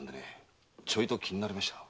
ちょいと気になりましてね。